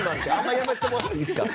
やめてもらっていいですか。